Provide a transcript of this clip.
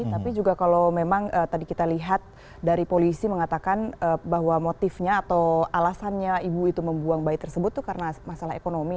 tapi juga kalau memang tadi kita lihat dari polisi mengatakan bahwa motifnya atau alasannya ibu itu membuang bayi tersebut itu karena masalah ekonomi